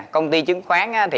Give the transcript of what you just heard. công ty chứng khoán